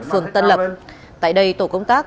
phường tân lập tại đây tổ công tác